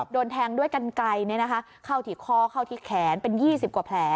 โดนแทงด้วยกันไกลเข้าที่คอเข้าที่แขนเป็น๒๐กว่าแผล